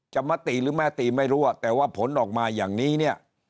มติหรือมติไม่รู้แต่ว่าผลออกมาอย่างนี้เนี่ย